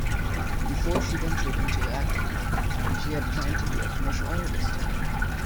Before she ventured into acting, she had planned to be a commercial artist.